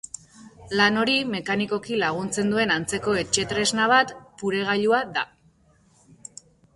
Lan hori mekanikoki laguntzen duen antzeko etxetresna bat puregailua da.